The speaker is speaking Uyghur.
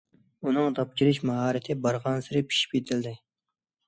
ئۇنىڭ داپ چېلىش ماھارىتى بارغانسېرى پىشىپ يېتىلدى.